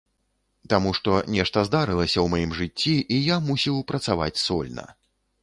Таму што нешта здарылася ў маім жыцці і я мусіў працаваць сольна.